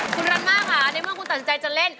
คุณรันม่าค่ะในเมื่อคุณตัดสินใจจะเล่น